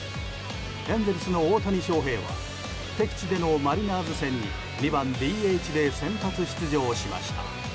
エンゼルスの大谷翔平は敵地でのマリナーズ戦に２番ＤＨで先発出場しました。